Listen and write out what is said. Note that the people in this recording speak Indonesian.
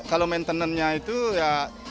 kalau maintenance nya itu ya